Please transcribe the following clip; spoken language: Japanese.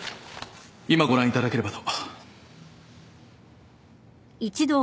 今ご覧いただければと。